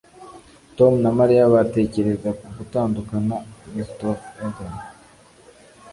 Tom na Mariya batekereza ku gutandukana WestofEden